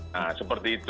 nah seperti itu